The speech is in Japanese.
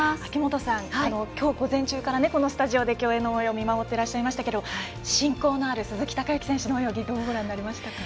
きょう午前中から競泳のもよう見守ってらっしゃいましたけど親交のある鈴木孝幸選手の泳ぎどうご覧になりましたか？